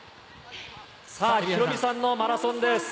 ヒロミさんのマラソンです。